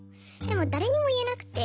でも誰にも言えなくて。